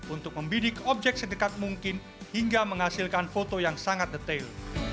untuk membidik objek sedekat mungkin hingga menghasilkan foto yang sangat detail